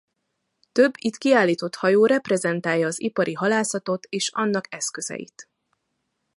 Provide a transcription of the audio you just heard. Több itt kiállított hajó reprezentálja az ipari halászatot és annak eszközeit.